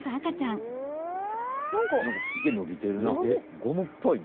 なんかすげえのびてるな。